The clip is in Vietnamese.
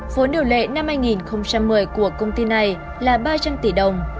vốn điều lệ năm hai nghìn một mươi của công ty này là ba trăm linh tỷ đồng